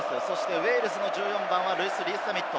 ウェールズの１４番はルイス・リース＝ザミット。